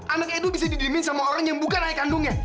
anak edo bisa didilimin sama orang yang bukan ayah kandungnya